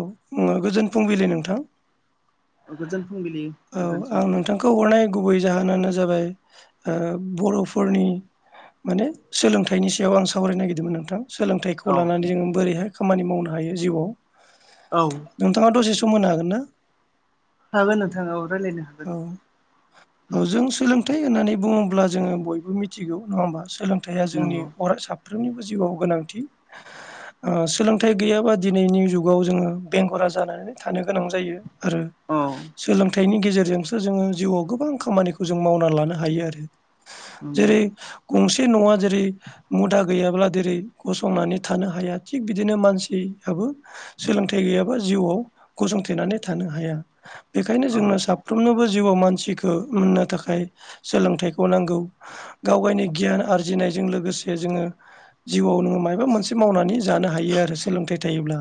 औ गोजोन फुंबिलि नोंथां गोजोन फुंबिलि औ नोंथांसिम आं नोंथांखौ हरनाय गुबै जाहोनानो जाबाय ओ बर'फोरनि माने सोलोंथाइनि सायाव आं सावरायनो नागिरदोंमोन नोंथां। औ सोलोंथाइखौ लानानै जोङो बोरैहाय खामानि मावनो हायो जिउआव। औ नोंथाङा दसे सम होनो हागोन ना। हागोन नोंथाङा औ रायलायनो हागोन औ औ जों सोलोंथाइ होननानै बुङोब्ला जोङो बयबो मिथिगौ नङा होमबा सोलों थाया जोंनि नंगौ अर साफ्रोमनिबो जिउआव गोनांथि ओ सोलोंथाइ गैयाबा दिनैनि जुगाव जोङो बेंगुरा जानानै थानो गोनां जायो। आरो औ सोलोंथाइनि गेजेर जोंसो जोङो जिउआव गोबां खामानिखौ जों मावनानै लानो हायो आरो नंगौ जेरै गंसे न'आ जेरै मुदा गैयाब्ला जेरै गसंनानै थानो हाया थिग बिदिनो मानसियाबो सोलोंथाइ गैयाबा जिउआव गसंथेनानै थानो हाया बेखायनो औ जोंनो सा फ्रोमनोबो जिउआव मानसिखौ मोननो थाखाय सोलोंथाइखौ नांगौ। गाव गायनि गियान आरजिनायजों लोगोसे जोङो जिउआव नोङो मायबा मोनसे मावनानै जानो हायो आरो सोलोंथाइ थायोब्ला।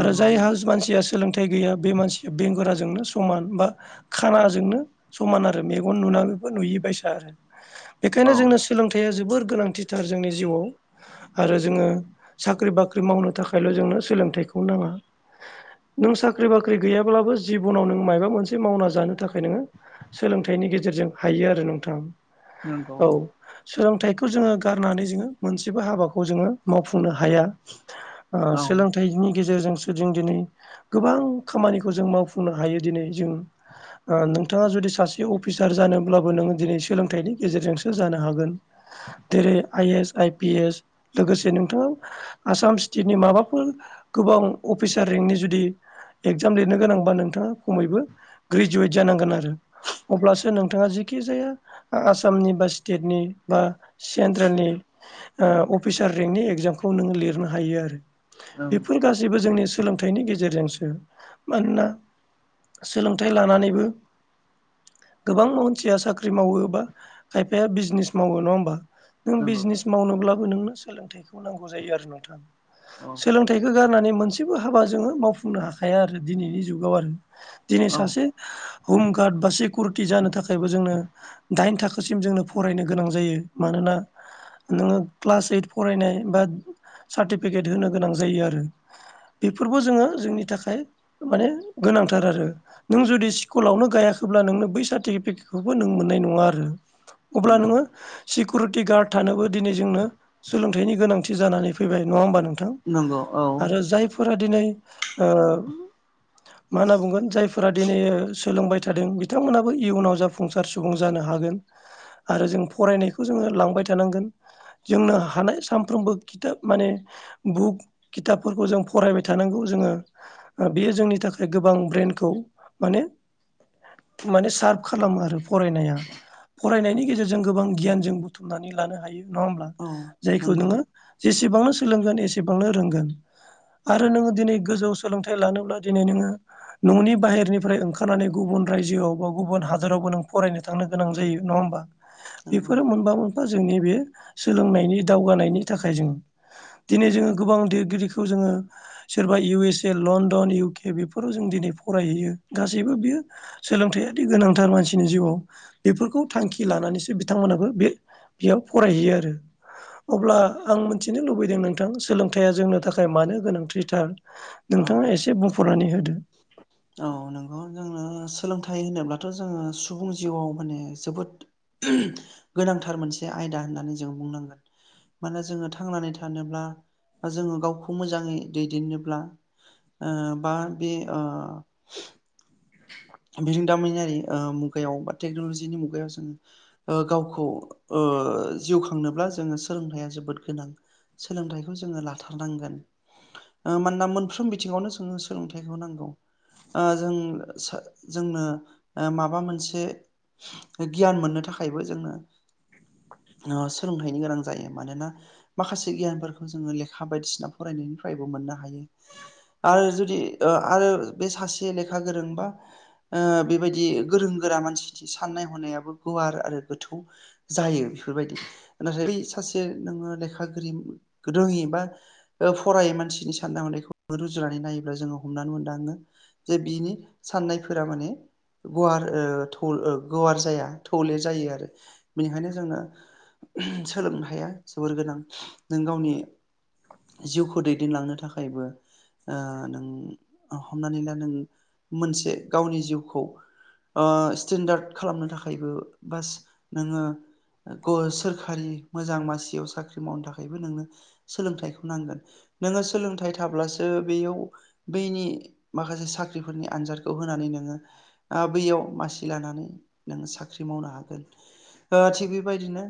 आरो जायहा मानसिया सोलोंथाइ गैया बे मानसिया बेंगुराजोंनो समान बा खानाजोंनो समान आरो मेगन नुनानैबो नुयिबायसा आरो। औ बेखायनो जोंनो सोलोंथाइया जोबोर गोनांथिथार जोंनि जिउआव आरो जोङो साख्रि बाख्रि मावनो थाखायल' जोंनो सोलोंथाइखौ नाङा। नों साख्रि बाख्रि गैयाब्लाबो जिबनाव नों मायाबा मोनसे मावना जा जानो थाखाय नोङो सोलोंथाइनि गेजेरजों हायो आरो नोंथां नंगौ औ सोलोंथाइखौ जोङो गारनानै जोङो मोनसेबो हाबाखौ जोङो मावफुंनो हाया। औ सोलोंथाइनि गेजेरजोंसो जों दिनै गोबां खामानिखौ जों मावफुंनो हायो दिनै जों नोंथाङा जुदि सासे अफिसार जानोब्लाबो नोङो दिनै सोलोंथाइनि गेजेरजोंसो जानो हागोन। जेरै I S I P S लोगोसे नोंथां आसाम स्टेटनि माबाफोर गोबां अफिसार रेंंकनि जुदि एग्जाम लिरनो गोनांबा नोंथाङा खमैबो ग्रेजुवेट जानांगोन आरो। अब्लासो नोंथाङा जेखिजाया आसामनि बा स्टेटनि बा सेन्ट्रेलनि ओ अफिसार रेंकनि एग्जामखौ नों लिरनो हायो आरो। बेफोर नंगौ गासैबो जोंनि सोलोंथाइनि गेजेरजोंसो मानोना सोलों थाइ लानानैबो गोबां मानसिया साख्रि मावो बा खायफाया बिजनेस मावो नङा होमबा। नों बिजनेस मावनोब्लाबो नोंनो सोलोंथाइखौ नांगौ जायो आरो नोंथां। औ सोलोंथाइखौ गारनानै मोनसेबो हाबा जोङो मावफुंनो हाखाया आरो दिनैनि जुगाव आरो। [inaudible] दिनै सासे हमगार्ड बा सिकिउरिटि जानो थाखायबो जोंनो दाइन थाखोसिम जोंनो फरायनो गोनां जायो मानोना नोङो क्लास ओइट फरायनाय बा सार्टिफिकेट होनो गोनां जायो आरो। बेफोरबो जोङो जोंनि थाखाय माने गोनांथार आरो। नों जुदि स्कुलावनो गायाखैब्ला नोंनो बै सार्टिफिकेटखौबो नों मोननाय नङा आरो। अब्ला नंगौ नोङो सिकिउरिटि गार्ड थानोबो दिनै जोंनो सोलोंथाइनि गोनांथि जानानै फैबाय नङा होमबा नों थां नंगौ औ आरो जायफोरा दिनै ओ मा होनना बुंगोन जाय फोरा दिनै सोलोंबाय थादों बिथांमोनाबो इयुनाव जाफुंसार सुबुं जानो हागोन। आरो जों फरायनायखौ जोङो लांबाय थानांगोन। जोंनो हानाय सानफ्रोमबो खिथाब माने बुक खिथाबफोरखौ जों फरायबाय थानांगौ जोङो। ओ बेयो जोंनि थाखाय गोबां ब्रेनखौ माने माने सार्भ खालामो आरो फरायनाया। फरायनायनि गेजेरजों गोबां गियान जों बुथुमनानै लानो हायो नङा होमब्ला औ जायखौ नंगौ नोङो जेसेबांनो सोलोंगोन एसेबांनो रोंगोन। आरो नोङो दिनै गोजौ सोलोंथाइ लानोब्ला दिनै नोङो न'नि बाहेर निफ्राय ओंखारनानै गुबुन रायजोआव बा गुबुन हादरावबो नों फरायनो थांनो गोनां जायो नङा होमबा। नंगौ बेफोरो मोनबा-मोनफा जोंनि बे सोलोंनायनि दावगानायनि थाखाय जों दिनै जोङो गोबां लिरगिरिखौ जोङो सोरबा U S A London U K बेफोराव जों दिनै फरायहैयो गासैबो बियो सोलोंथायादि गोनांथार मानसिनि जिउआव बेफोरखौ थांखि लानानैसो बिथांमोनाबो बे बेयाव फरायहैयो आरो। अब्ला आं मिथिनो लुबैदों नोंथां सोलोंथाइया जोंनो थाखाय मानो गोनांथिथार? औ नोंथाङा एसे बुंफ्रुनानै होदो। औ नंगौ जोंनो सोलोंथाइ होनोब्लाथ' जोङो सुबुं जिउआव माने जोबोद [unintelligible] गोनांथार मोनसे आयदा होननानै जों बुंनांगोन। मानो जोङो थांनानै थानोब्ला बा जोङो गावखौ मोजाङै दैदेननोब्ला ओ बा बे ओ बेजों दामिनारि मुगायाव बा टेक्न'लजिनि मुगायाव जों ओ गावखौ ओ जिउ खांनोब्ला जोङो सोलोंथाइया जोबोद गोनां। सोलोंथाइखौ जोङो लाथारनांगोन। ओ मानोना मोनफ्रोम बिथिङावनो जोंनो सोलोंथाइखौ नांगौ ओ जों सा जोंनो ओ माबा मोनसे गियान मोननो थाखायबो जोंनो सोलोंथाइनि गोनां जायो मानोना माखासे गियानफोरखौ जोङो लेखा बायदिसिना फरायनायनिफ्रायबो मोननो हायो। आरो जुदि ओ आरो बे सासे लेखा गोरोंबा ओ बेबायदि गोरों गोरा मानसि साननाय हनायाबो गुवार आरो गोथौ। जायो बेफोरबायदि नाथाय बै सासे नोङो लेखा गोर गोदोङै बा फरायै मानसिनि साननाय हनायखौ रुजुनानै नायोब्ला जोङो हमनानै मोनदाङो जे बिनि साननायफोरा माने गुवार ओ थोव ओ गुवार जाया थौले जायो आरो बेनिखायनो जोंङो सोलोंनो हाया जोबोर गोनां नों गावनि जिउखौ दैदेनलांनो थाखायबो ओ नों हमनानै ला नों मोनसे गावनि जिउखौ ओ स्टेन्डार्ड खालामनो थाखायबो बास नोङो ग सोरखारि मोजां मासियाव साख्रि मावनो थाखायबो नोंनो सोलोंथाइखौ नांगोन नोङो सोलोंथाइ थाब्लासो बेयाव बैनि माखासे साख्रि फोरनि आनजादखौ होनानै नोङो आ बैयाव मासि लानानै नोङो साख्रि मावनो हागोन। थिग बेबायदिनो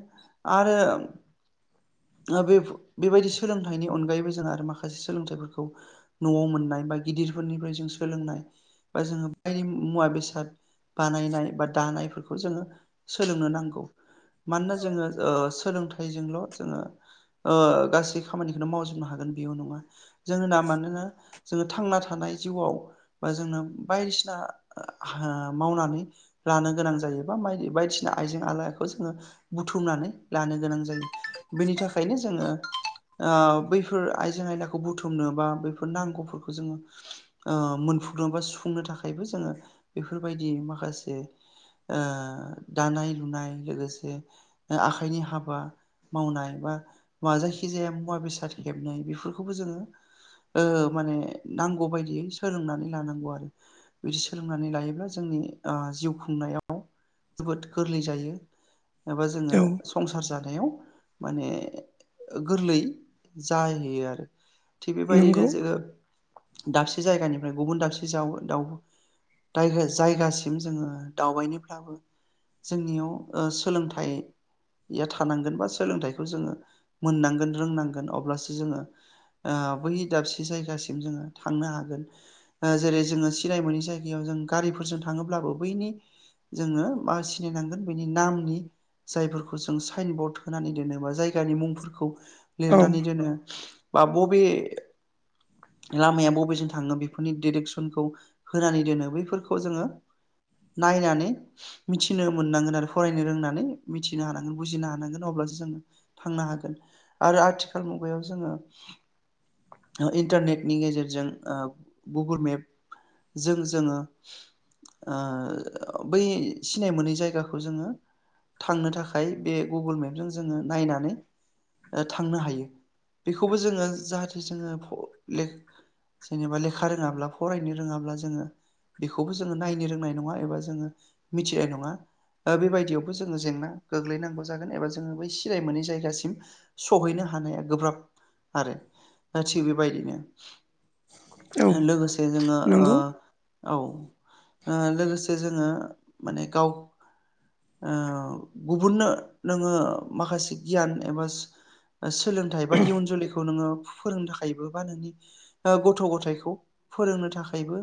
आरो बे बेबायदि सोलोंथाइनि अनगायैबो जों आरो माखासे सोलोंथाइफोरखौ न'आव मोननाय बा गिदिरफोरनिफ्राय जों सोलोंनाय बा जोङो बायदि मुवा बेसाद बानायनाय बा दानायफोरखौ जोङो सोलोंनो नांगौ मानोना जोङो ओ सोलोंथा जोंल' जोङो ओ गासै खामानिखौनो मावजोबनो हागोन बेयाव नङा जोंङ ना मानोना जोङो थांना थानाय जिउआव बा जोंनो बायदिसिना ह मावनानै लानो गोनां जायो बा माय बायदिसिना आइजें आलायखौ जोङो बुथुमनानै लानो गोनां जायो बेनि थाखायनो जोङो अ बैफोर आइजें आयनाखौ बुथुमनो बा बैफोर नांगौफोरखौ जोङो अ मोनफुंदों बा सुफुंनो थाखायबो जोङो बेफोरबायदि माखासे अ दानाय लुनाय लोगोसे आखाइनि हाबा मावनाय बा मा जायखिजाया मुवा बेसाद हेबनाय बेफोरखौबो जोङो ओ माने नांगौ बायदियै सोलोंनानै लानांगौ आरो बिदि सोलोंनानै लायोब्ला जोंनि ओ जिउ खुंनायाव जोबोद गोरलै जायो एबा जोङो औ संसार जा याव माने गोरलै जाहैयो आरो थिग नंगौ बेबायदिनो जोङो दाबसे जायगानिफ्राय गुबुन दाबसे जाव दाउ दाय जायगासिम जोङो दावबायनिफ्राबो जोंनियाव ओ सोलोंथाइ या थानांगोन बा सोलोंथाइखौ जोङो मोननांगोन रोंनांगोन अब्लासो जोङो ओ बै दाबसे जायगासिम जोङो थांनो हागोन जेरै जोङो सिनाय मोननि जायगायाव जों गारिफोरजों थाङोब्लाबो बैनि जोङो मा सिनायनांगोन बेनि नामनि जायफोरखौ जों साइन बर्ड होनानै दोनोबा जायगानि मुंफोरखौ औ लिरनानै दोनो बा बबे लामाया बबेजों थाङो बे फोनि डिरेकसनखौ होनानै दोनो बैफोरखौ जोङो नायनानै मिथिनो मोननांगोन आरो फरायनो रोंनानै मिथिनो हानांगोन बुजिनो हानांगोन अब्लासो जोङो थांनो हागोन आरो आथिखाल मुगायाव जोङो इन्टारनेटनि गेजेरजों बाबुर मेपजों जोङो ओ बै सिनाय मोनै जायगाखौ जोङो थांनो थाखाय बे गुगोल मेपजों जोङो नायनानै थांनो हायो बेखौबो जोङो जाहाथे जोङो फ ले जेनेबा लेखा रोङाब्ला फरायनो रोङाब्ला जोङो बेखौबो जोङो नायनो रोंनाय नङा एबा जोङो मिथिनाय नङा बेबायदियावबो जोङो जेंना गोग्लैनांगौ जागोन एबा जोङो बै सिनाय मोनै जायगासिम सहैनो हानाया गोब्राब आरो दा थिग बेबायदिनो औ लोगोसे जोङो ओ नंगौ औ ओ लोगोसे जोङो माने गाव ओ गुबुननो नोङो माखासे गियान एबा सोलोंथाइ बा इयुन जोलैखौ नोङो फोरोंनो थाखायबो बा नोंनि ओ गथ' गथा खौ फोरोंनो थाखायबो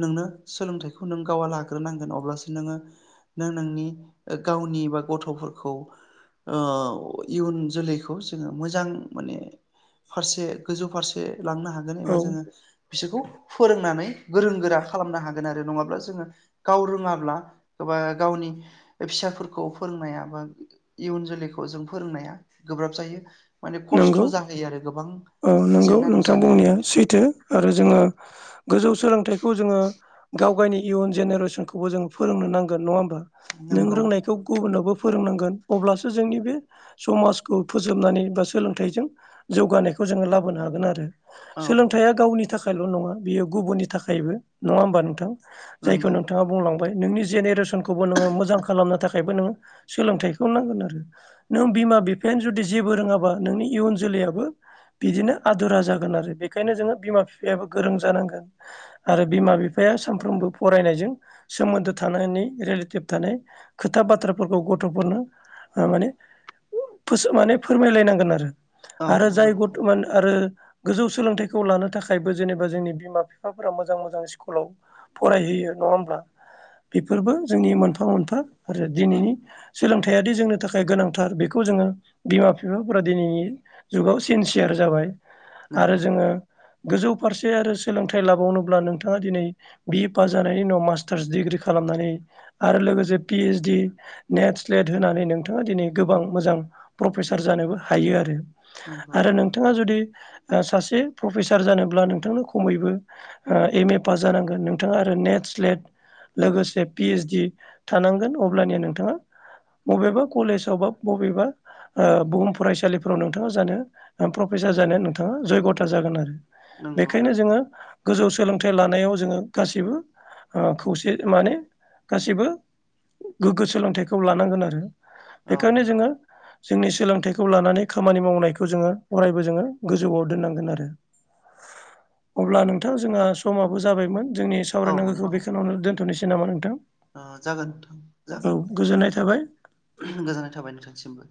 नोंनो सोलोंथाइखौ नों गावा लाग्रोनांगोन अब्लासो नोङो नों नोंनि गावनि बा गथ'फोरखौ ओ इयुन जोलैखौ जोङो मोजां माने फारसे गोजौ फारसे लांनो हागोन एबा औ जोङो बिसोरखौ फोरोंनानै गोरों गोरा खालामनो हागोन आरो नङाब्ला जोङो गाव रोङाब्लाबा एबा गावनि फिसाफोरखौ फोरोंनाया बा इयुन जोलैखौ जों फोरोंनाया गोब्राब जायो। माने नंगौ खस्थ' जाहैयो आरो गोबां औ नंगौ जेंना नोंथां नुजानो बुंनाया मोनो। सैथो आरो जोङो गोजौ सोलोंथाइखौ जोङो गाव गावनि इयुन जेनेरेसनखौबो जोङो फोरोंनो नांगोन नङा होमबा नों नंगौ रोंनायखौ गुबुनावबो फोरोंनांगोन अब्लासो जोंनि बे समाजखौ फोजोबनानै बा सोलोंथजों जौगानायखौ जोङो लाबोनो हागोन आरो औ सो थाया गावनि थाखायल' नङा बेयो गुबुननि थाखायबो नङा होमबा नोंथां जायखौ नंगौ नोंथाङा बुंलां फ्राय नोंनि जेनेरेसनखौबो नोङो मोजां खालामनो थाखायबो नोङो सोलोंथाइखौ नांगोन आरो नों बिमा-बिफायानो जुदि जेबो रोङाबा नोंनि इयुन जोलैयाबो बिदिनो आदुरा जागोन आरो बेखायनो जोङो बिमा-बिफायाबो गोरों जानांगोन। आरो बिमा-बिफाया सानफ्रोमबो फरायनायजों सोमोन्दो थानायनि रिलेटिभ थानाय खोथा बाथ्राफोरखौ गथ'फोरनो ओ माने माने फोरमायलायनांगोन आरो औ आरो जाय नंगौ बरथमान आरो गोजौ सोलोंथाइखौ लानो थाखायबो जेनेबा जोंनि बिमा-बिफाफोरा मोजां मोजां स्कुलाव फरायहोयो नङा होमब्ला बेफोरबो जोंनि मोनफा मोनफा आरो दिनैनि सोलोंथायादि जोंनि थाखाय गोनांथार बेखौ जोङो बिमा-बिफा फोरा दिनैनि जुगाव सिनसियार जाबाय आरो नंगौ जोङो गोजौ फारसे आरो सोलोंथाइ लाबावनोब्ला नोंथाङा दिनै बि ए पास जानायनि उनाव मास्टार्स डिग्रि खालामनानै आरो लोगोसे पिओस डि नेट स्लेट होनानै नोंथाङा दिनै गोबां मोजां प्रफेसार जानोबो हायो नंगौ आरो नों थाङा जुदि ओ सासे प्रफेसार जानोब्ला नोंथांनो खमैबो ओ एम ए पास जानांगोन नोंथाङा आरो नेट स्लेट लोगोसे पि ओइस डि थानांगोन अब्लानिया नोंथाङा बबेबा कलेजाव बा बबेबा बहुम फरायसालिफोराव नोंथाङा जानो प्रफेसार ओ जानायानो नोंथाङा जयग'था जागोन आरो नंगौ बेखायनो जोङो गोजौ सोलोंथाइ लानायाव जोङो गाैबो ओ खौसे माने गासैबो गोगो सोलोंथाइखौ लानांगोन आरो औ बेखायनो जोङो जोंनि सोलोंथाइ खौ लानानै खामानि मावनायखौ जोङो अरायबो जोङो गोजौआव दोननांगोन आरो अब्ला नोंथां जोंहा समाबो जाबायमोन जोंनि औ सावरायनांगौखौ नोंथां बेखौावनो दोनथ'नोसै नामा नोंथां। ओ जागोन औ जागोन गोजोननाय थाबाय गोजोननाय थाबाय नोंथांसिमबो।